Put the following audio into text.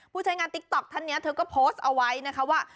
ใช้งานติ๊กต๊อกท่านนี้เธอก็โพสต์เอาไว้นะคะว่า